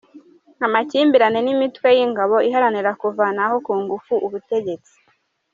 amakimbirane n’imitwe y’ingabo iharanira kuvanaho ku ngufu ubutegetsi